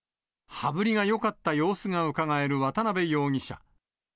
羽振りがよかった様子がうかがえる渡辺容疑者。